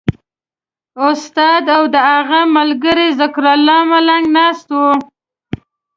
استاد او د هغه ملګری ذکرالله ملنګ ناست وو.